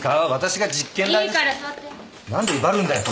何で威張るんだよ！？